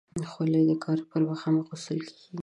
خولۍ د کار پر وخت هم اغوستل کېږي.